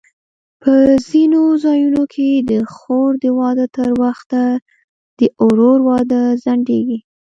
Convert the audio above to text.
په ځینو ځایونو کې د خور د واده تر وخته د ورور واده ځنډېږي.